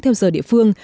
theo giờ địa phương